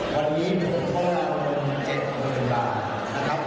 วันนี้มันต้องเข้าระบรม๗๐๐๐บาทนะครับ